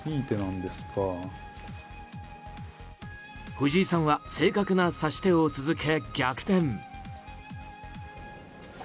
藤井さんは正確な指し手を続け逆転。